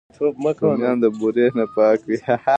رومیان د بورې نه پاک وي